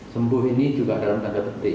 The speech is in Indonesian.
sembuh ini juga dalam tanda petik